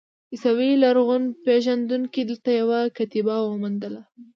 عیسوي لرغونپېژندونکو دلته یوه کتیبه وموندله.